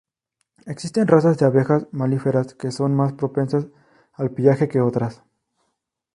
Existen razas de abejas melíferas que son más propensas al pillaje que otras.